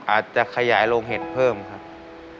อาจจะขยายโรงเห็ดเพิ่มครับ